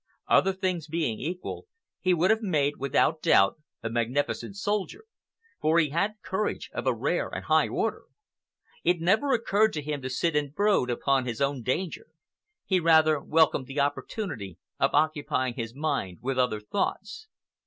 Other things being equal, he would have made, without doubt, a magnificent soldier, for he had courage of a rare and high order. It never occurred to him to sit and brood upon his own danger. He rather welcomed the opportunity of occupying his mind with other thoughts.